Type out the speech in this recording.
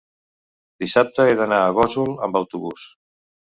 dissabte he d'anar a Gósol amb autobús.